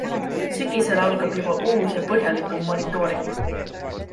Sügisel algab aga juba uus ja põhjalikum monitooring.